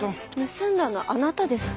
盗んだのあなたですか？